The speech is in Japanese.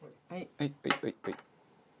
はいはいはいはい。